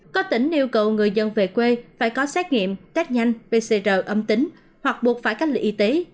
có tỉnh yêu cầu người dân về quê phải có xét nghiệm test nhanh pcr âm tính hoặc buộc phải cách ly y tế